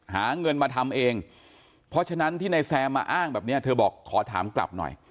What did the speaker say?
หาเงินมาทำเองเพราะฉะนั้นที่นายแซมมาอ้างแบบนี้เธอบอกขอถามกลับหน่อย